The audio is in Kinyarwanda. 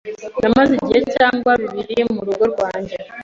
namaze igihe cyangwa bibiri murugo rwanjye